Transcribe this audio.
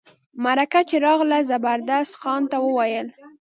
مرکه چي راغله زبردست خان ته وویل.